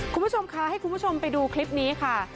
คุณผู้ชมคะให้คุณผู้ชมไปดูคลิปนี้ค่ะ